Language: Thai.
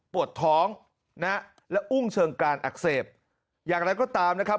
ปวดท้องนะและอุ้งเชิงการอักเสบอย่างไรก็ตามนะครับ